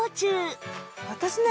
私ね